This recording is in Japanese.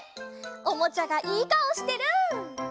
おもちゃがいいかおしてる！